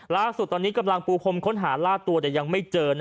ล่าสุดตอนนี้กำลังปูพรมค้นหาล่าตัวแต่ยังไม่เจอ